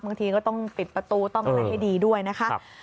บางทีก็ต้องปิดประตูต้องอะไรให้ดีด้วยนะคะ